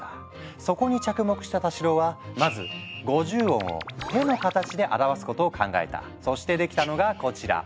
そこに着目した太四郎はまずそしてできたのがこちら。